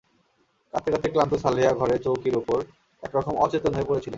কাঁদতে কাঁদতে ক্লান্ত সালেহা ঘরের চৌকির ওপর একরকম অচেতন হয়ে পড়ে ছিলেন।